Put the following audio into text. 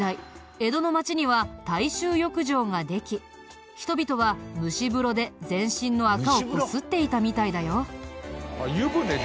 江戸の町には大衆浴場ができ人々は蒸し風呂で全身の垢をこすっていたみたいだよ。